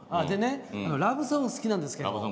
ラブソング好きなんですけど。